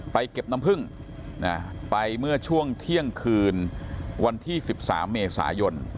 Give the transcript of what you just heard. เก็บน้ำผึ้งไปเมื่อช่วงเที่ยงคืนวันที่๑๓เมษายน